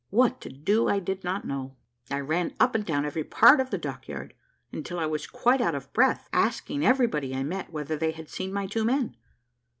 What to do I did not know. I ran up and down every part of the dock yard until I was quite out of breath, asking every body I met whether they had seen my two men.